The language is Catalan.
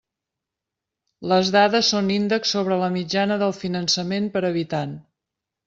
Les dades són índexs sobre la mitjana del finançament per habitant.